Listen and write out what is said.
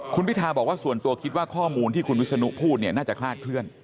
คุณพิทาบอกว่าส่วนตัวคิดว่าข้อมูลที่คุณวิศนุพูดเนี่ยน่าจะคลาดเคลื่อน